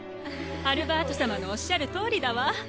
アルバート様のおっしゃるとおりだわ。